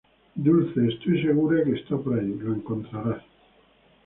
Dulce, estoy segura que está por ahí. Lo encontrarás.